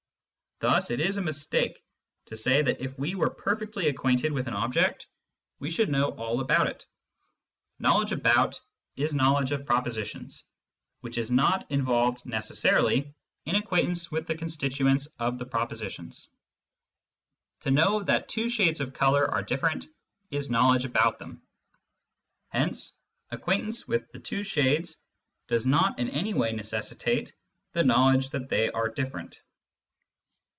Thus it is a mistake to say that if we were perfectly acquainted with an object we should know all about it. "Knowledge about" is knowledge of pro positions, which is not involved necessarily in acquaintance with the constituents of the propositions. To know that two shades of colour are different is knowledge about them ; hence acquaintance with the two shades does not in any way necessitate the knowledge that they are different.